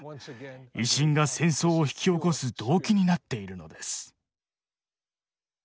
「威信」が戦争を引き起こす動機になっているのです。